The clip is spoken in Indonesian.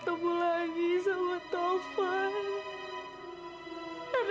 tapi enggak usah khawatir